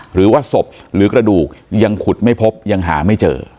หรือว่าศพหรือกระดูกยังขุดไม่พบยังหาไม่เจอ